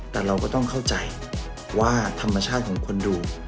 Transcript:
แต่เราก็ต้องเข้าใจว่าธรรมชาติของคนดู